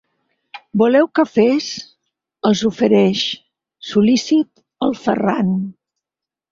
Voleu cafès? —els ofereix, sol·lícit, el Ferran.